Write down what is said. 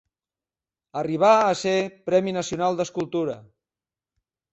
Arribà a ser Premi Nacional d'Escultura.